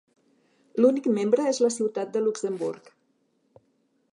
L'únic membre és la ciutat de Luxemburg.